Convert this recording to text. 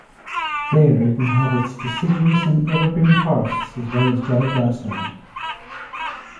There it inhabits deciduous and evergreen forests as well as dry grassland.